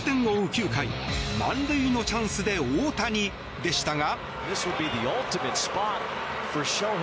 ９回満塁のチャンスで大谷でしたが。